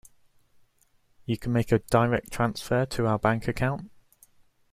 You can make a direct transfer to our bank account.